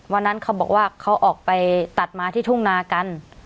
วันนั้นเขาบอกว่าเขาออกไปตัดม้าที่ทุ่งนากัน